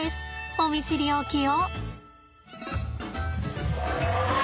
お見知りおきを。